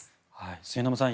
末延さん